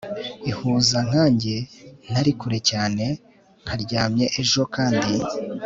ihuza nkanjye ntari kure cyane, nkaryamye ejo kandi